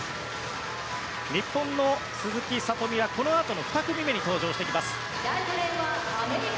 日本の鈴木聡美はこのあとの２組目に登場してきます。